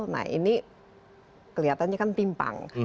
nah ini kelihatannya kan timpang